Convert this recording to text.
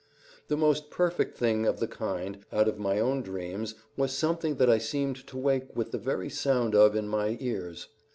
The most perfect thing of the kind out of my own dreams was something that I seemed to wake with the very sound of in my ears.